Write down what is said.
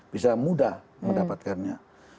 bisa mudah mendapatkannya